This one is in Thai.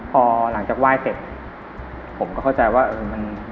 พอหลังจากไหว้เสร็จผมก็เข้าใจว่าเออมัน